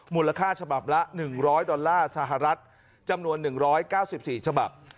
มูลค่าฉบับละ๑๐๐ดอลลาร์สหรัฐจำนวน๑๙๔ฉบับ